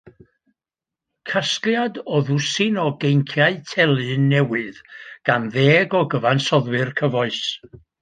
Casgliad o ddwsin o geinciau telyn newydd gan ddeg o gyfansoddwyr cyfoes.